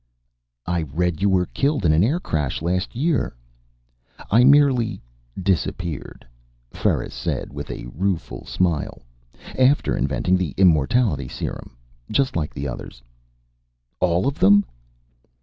"I read you were killed in an air crash last year." "I merely disappeared," Ferris said, with a rueful smile, "after inventing the immortality serum. Just like the others." "All of them?"